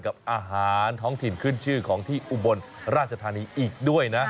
กับอาหารท้องถิ่นขึ้นชื่อของที่อุบลราชธานีอีกด้วยนะ